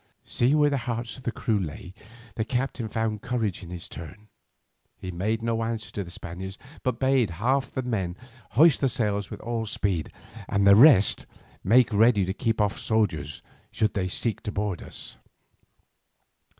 "Seeing where the heart of the crew lay, the captain found courage in his turn. He made no answer to the Spaniards, but bade half of the men hoist the sails with all speed, and the rest make ready to keep off the soldiers should they seek to board us.